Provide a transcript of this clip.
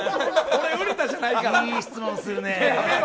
俺、いい質問するね。